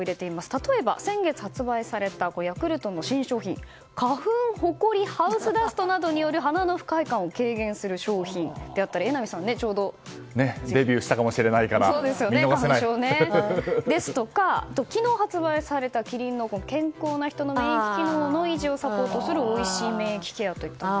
例えば、先月発売されたヤクルトの新商品花粉、ほこりハウスダストなどによる鼻の不快感を軽減する商品であったりデビューしたかもしれないからですとか、昨日発売されたキリンの健康な人の免疫機能を維持をサポートするおいしい免疫ケアといったもの。